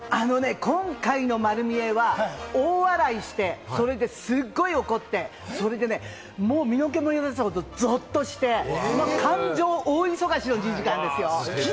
今回の『まる見え！』は大笑いして、それですごい怒って、身の毛もよだつほど、ぞっとして感情大忙しの２時間ですよ。